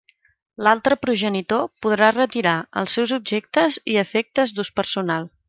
L'altre progenitor podrà retirar els seus objectes i efectes d'ús personal.